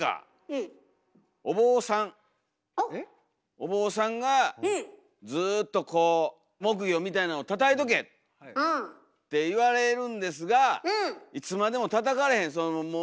お坊さんがずっとこう木魚みたいなんをたたいとけって言われるんですがいつまでもたたかれへん。